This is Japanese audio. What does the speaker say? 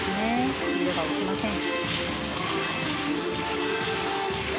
スピードが落ちません。